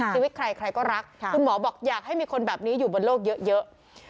ชีวิตใครใครก็รักคุณหมอบอกอยากให้มีคนแบบนี้อยู่บนโลกเยอะ